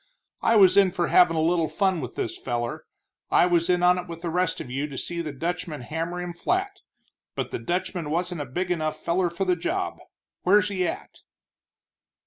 I was in for havin' a little fun with this feller; I was in on it with the rest of you to see the Dutchman hammer him flat, but the Dutchman wasn't a big enough feller for the job. Where's he at?"